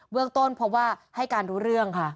เรื่องต้นเพราะว่าให้การรู้เรื่องค่ะ